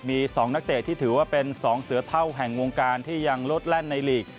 มี๒นักเตะที่ถือว่าเป็น๒เสือเท่าแห่งวงการที่ยังลดแล่นในลีก